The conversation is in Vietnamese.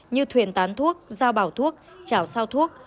như thuyền tán thuốc giao bảo thuốc chảo sao thuốc